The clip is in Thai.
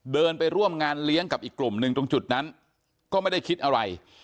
เดินไปร่วมงานเลี้ยงกับอีกกลุ่มหนึ่งตรงจุดนั้นก็ไม่ได้คิดอะไร